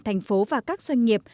thành phố và các doanh nghiệp